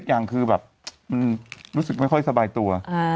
รู้สึกไม่ค่อยสบายตัว